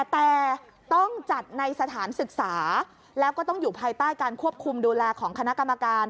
แต่ต้องจัดในสถานศึกษาแล้วก็ต้องอยู่ภายใต้การควบคุมดูแลของคณะกรรมการ